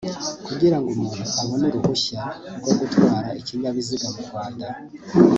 Kugira ngo umuntu abone uruhushya rwo gutwara ikinyabiziga mu Rwanda